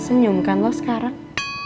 senyum kan lo sekarang